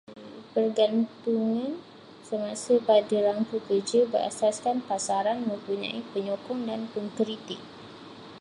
Pergantungan semasa pada rangka kerja berasaskan pasaran mempunyai penyokong dan pengkritik